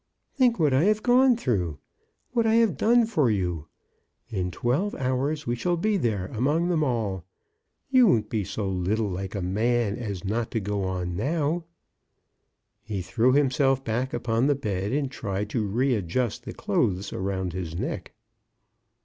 "Think what I have gone through — what I 44 CHRISTMAS AT THOMPSON HALL. have done for you ! In twelve hours we shall be there, among them all. You won't be so little like a man as not to go on now." He threw himself back upon the bed, and tried to re adjust the clothes around his neck.